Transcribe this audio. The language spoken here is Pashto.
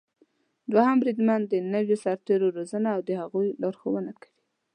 دوهم بریدمن د نويو سرتېرو روزنه او د هغوی لارښونه کوي.